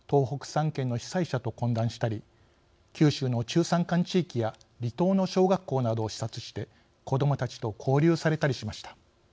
３県の被災者と懇談したり九州の中山間地域や離島の小学校などを視察して子供たちと交流されたりしました。